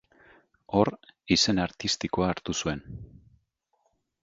Hor, izen artistikoa hartu zuen.